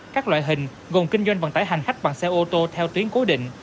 các loại hình gồm kinh doanh vận tải hành khách bằng xe ô tô theo tuyến cố định